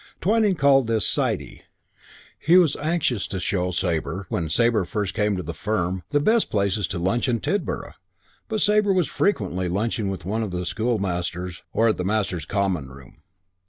Twyning called this "sidey." He was anxious to show Sabre, when Sabre first came to the firm, the best places to lunch in Tidborough, but Sabre was frequently lunching with one of the School housemasters or at the Masters' common room.